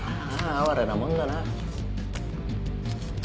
ああ哀れなもんだな。